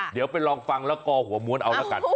เดี๋ยวไปลองฟังแล้วกอหัวม้วนเอาละกัน